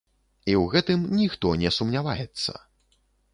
І ў гэтым ніхто не сумняваецца.